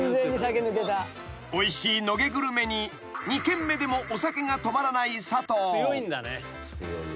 ［おいしい野毛グルメに２軒目でもお酒が止まらない佐藤］